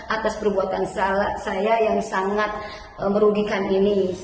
atas perbuatan saya yang sangat merugikan ini